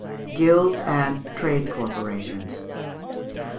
] Guilds and Trade Corporations.